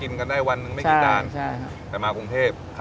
ทำไมอยู่พิจิตรไม่รวยเหรอ